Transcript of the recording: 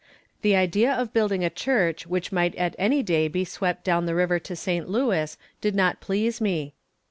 The idea of building a church which might at any day be swept down the river to St. Louis did not please me.